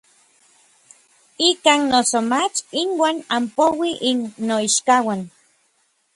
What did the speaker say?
Ikan noso mach inuan anpouij n noichkauan.